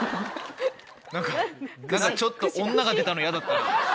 何かちょっと女が出たの嫌だったな。